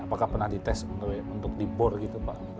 apakah pernah dites untuk dibor gitu pak